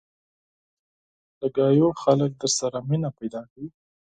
له خبرو خلک در سره مینه پیدا کوي